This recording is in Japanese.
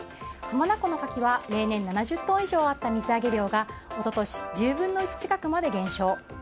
浜名湖のカキは例年７０トン以上あった水揚げ量が一昨年、１０分の１近くまで減少。